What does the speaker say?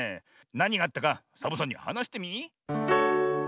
なにがあったかサボさんにはなしてみ。